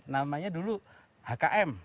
namanya dulu hkm